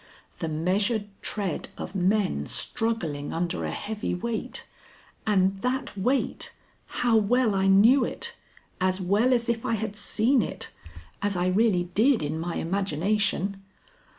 The measured tread of men struggling under a heavy weight, and that weight how well I knew it! as well as if I had seen it, as I really did in my imagination.